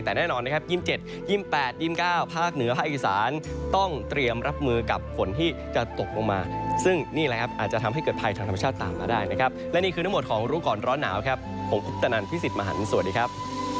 แต่แน่นอนนะครับ๒๗๒๘๒๙ภาคเหนือภาคอีสานต้องเตรียมรับมือกับฝนที่จะตกลงมาซึ่งนี่แหละครับอาจจะทำให้เกิดภัยทางธรรมชาติตามมาได้นะครับและนี่คือทั้งหมดของรู้ก่อนร้อนหนาวครับผมคุปตนันพี่สิทธิ์มหันฯสวัสดีครับ